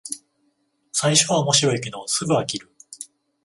最初は面白いけどすぐ飽きる